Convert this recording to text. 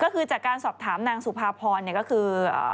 การสอบถามนางสุภาพรก็คือ